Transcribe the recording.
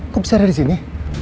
kok bisa ada disini